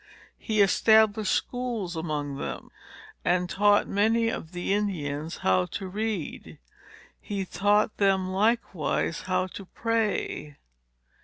He established schools among them, and taught many of the Indians how to read. He taught them, likewise, how to pray.